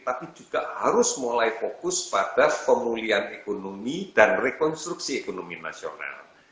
tapi juga harus mulai fokus pada pemulihan ekonomi dan rekonstruksi ekonomi nasional